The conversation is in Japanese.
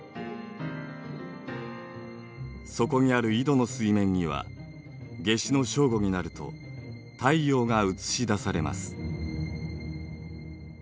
そこにある井戸の水面には夏至の正午になると太陽が映し出されます。